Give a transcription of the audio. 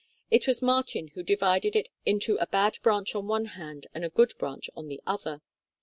It was Mar tin who divided it into a bad branch on one hand and a good branch o'n the other.